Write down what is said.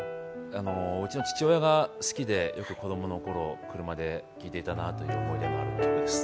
うちの父親が好きで、よく子供の頃、車で聴いていたなという思い出がある曲です。